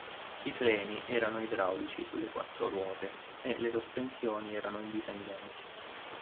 I freni erano idraulici sulle quattro ruote, e le sospensioni erano indipendenti.